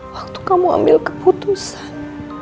waktu kamu ambil keputusan